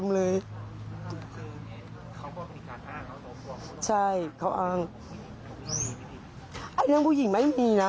พวกมันต้องกินกันพี่